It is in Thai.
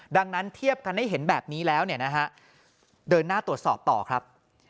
ดังนั้นเทียบกันให้เห็นแบบนี้แล้วเนี่ยนะฮะเดินหน้าตรวจสอบต่อครับ